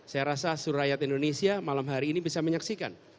saya rasa seluruh rakyat indonesia malam hari ini bisa menyaksikan